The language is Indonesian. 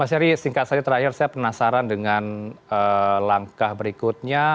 mas heri singkat saja terakhir saya penasaran dengan langkah berikutnya